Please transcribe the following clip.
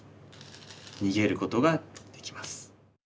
逃げることができます。